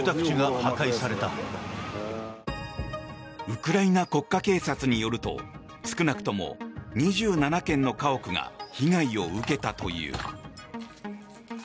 ウクライナ国家警察によると少なくとも２７軒の家屋が被害を受けたという。